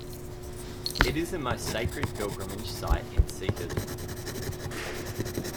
It is the most sacred pilgrimage site in Sikhism.